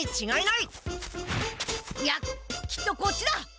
いやきっとこっちだ！